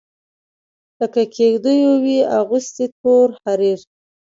لکه کیږدېو وي اغوستي تور حریر